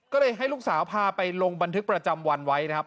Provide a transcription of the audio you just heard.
ก็เลยให้ลูกสาวพาไปลงบันทึกประจำวันไว้นะครับ